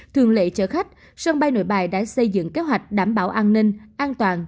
thường lệ chở khách sân bay nội bài đã xây dựng kế hoạch đảm bảo an ninh an toàn